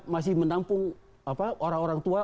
masih menampung orang orang tua